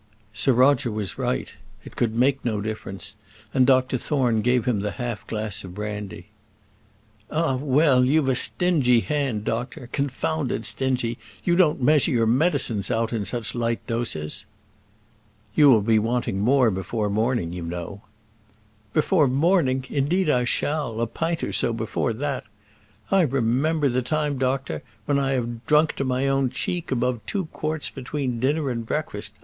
Sir Roger was right. It could make no difference; and Dr Thorne gave him the half glass of brandy. "Ah, well; you've a stingy hand, doctor; confounded stingy. You don't measure your medicines out in such light doses." "You will be wanting more before morning, you know." "Before morning! indeed I shall; a pint or so before that. I remember the time, doctor, when I have drunk to my own cheek above two quarts between dinner and breakfast!